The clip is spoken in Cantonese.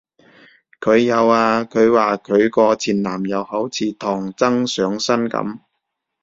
佢有啊，佢話佢個前男友好似唐僧上身噉